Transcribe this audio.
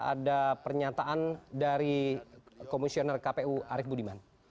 ada pernyataan dari komisioner kpu arief budiman